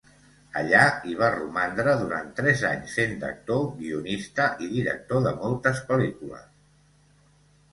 Allà hi va romandre durant tres anys fent d’actor, guionista i director de moltes pel·lícules.